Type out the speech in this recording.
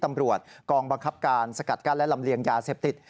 ตำรวจกองบังคับการสกัดกั้นและลำเลียงยาเสพติด